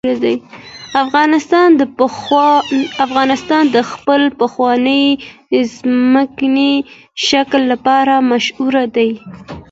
افغانستان د خپل پخواني ځمکني شکل لپاره مشهور دی.